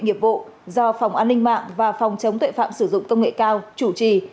hiệp vụ do phòng an ninh mạng và phòng chống tội phạm sử dụng công nghệ cao chủ trì